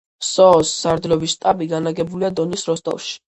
სსო-ს სარდლობის შტაბი განლაგებულია დონის როსტოვში.